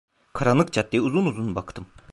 Karanlık caddeye uzun uzun baktım.